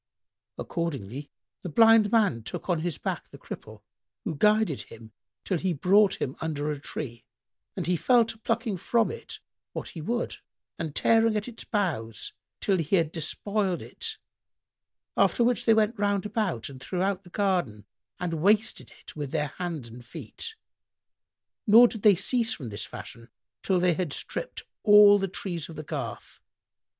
Accordingly the Blind man took on his back the Cripple who guided him till he brought him under a tree, and he fell to plucking from it what he would and tearing at its boughs till he had despoiled it: after which they went roundabout and throughout the garden and wasted it with their hands and feet, nor did they cease from this fashion, till they had stripped all the trees of the garth.